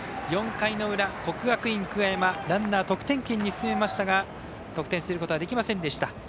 ４回の裏、国学院久我山ランナー得点圏に進めましたが得点することはできませんでした。